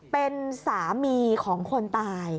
เป็นสามีของคนตาย